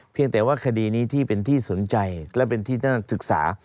แต่ว่าคดีนี้ที่เป็นที่สนใจและเป็นที่น่าศึกษา